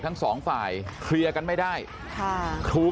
เฮ้ยเฮ้ยเฮ้ยเฮ้ยเฮ้ยเฮ้ยเฮ้ย